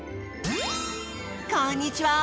こんにちは！